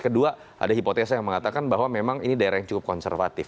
kedua ada hipotesa yang mengatakan bahwa memang ini daerah yang cukup konservatif